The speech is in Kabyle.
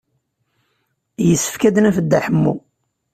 Yessefk ad d-naf Dda Ḥemmu.